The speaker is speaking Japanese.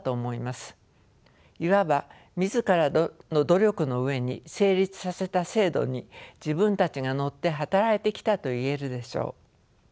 いわば自らの努力の上に成立させた制度に自分たちが乗って働いてきたと言えるでしょう。